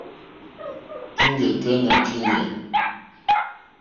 Kíŋgɛ̀ tɛ́ nà kíŋgɛ̀.